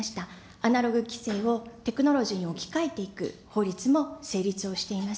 アナログきせいをテクノロジーに置き換えていく法律も成立をしています。